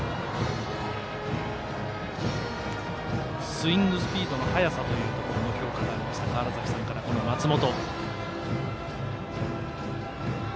スイングスピードの速さというところの評価が川原崎さんからありました、松本。